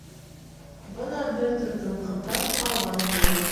Бына бер төркөм ҡыҙҙар алға ынтылды.